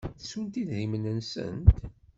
Ttunt idrimen-nsent?